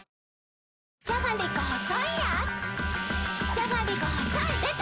じゃがりこ細いでた‼